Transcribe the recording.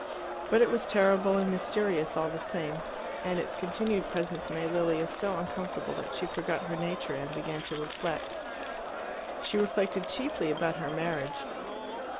But it was terrible and mysterious all the same, and its continued presence made Lilia so uncomfortable that she forgot her nature and began to reflect. She reflected chiefly about her marriage.